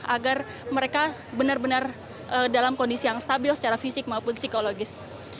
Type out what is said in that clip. agar mereka benar benar dalam kondisi yang stabil secara fisik maupun psikologis